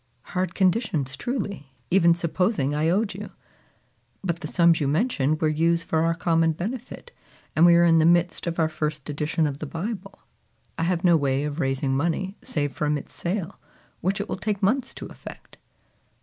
"Hard conditions truly, even supposing I owed you! But the sums you mention were used for our common benefit, and we are in the midst of our first edition of the Bible. I have no way of raising money save from its sale, which it will take months to effect."